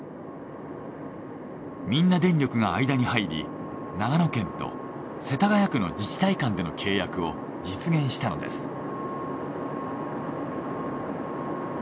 みんな電力が間に入り長野県と世田谷区の自治体間での契約を実現したのです。